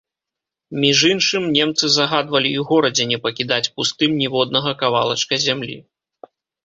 Між іншым, немцы загадвалі і ў горадзе не пакідаць пустым ніводнага кавалачка зямлі.